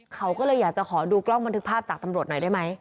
เขาก็เลยอยากจะขอดูกล้องบันทึกภาพจากตำรวจหน่อยได้ไหม